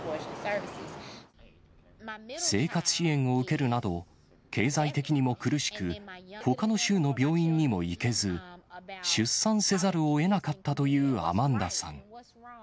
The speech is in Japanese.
生活支援を受けるなど、経済的にも苦しく、ほかの州の病院にも行けず、出産せざるをえなかったというアマンダさん。